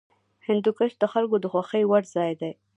هندوکش د خلکو د خوښې وړ ځای دی.